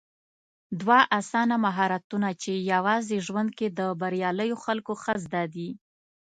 دوه اسانه مهارتونه چې يوازې ژوند کې د برياليو خلکو ښه زده دي